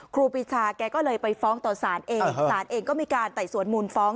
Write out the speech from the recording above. ครูปีชาแกก็เลยไปฟ้องต่อสารเองศาลเองก็มีการไต่สวนมูลฟ้อง